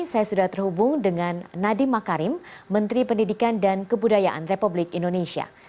saya sudah terhubung dengan nadiem makarim menteri pendidikan dan kebudayaan republik indonesia